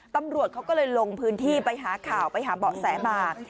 ตำรวจเขาก็เลยลงพื้นที่ไปหาข่าวไปหาเบาะแสมา